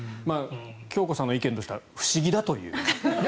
京子さんの意見としては不思議だという。